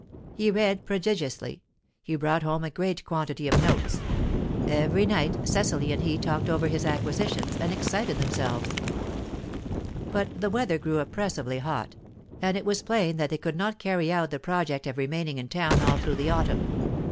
He read prodigiously; he brought home a great quantity of notes; every night Cecily and he talked over his acquisitions, and excited themselves. But the weather grew oppressively hot, and it was plain that they could not carry out the project of remaining in town all through the autumn.